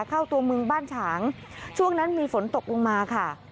เข้าตัวเมืองบ้านฉางช่วงนั้นมีฝนตกลงมาค่ะ